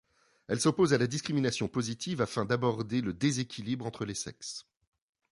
Elle s'oppose à la discrimination positive afin a'border le déséquilibre entre les sexes.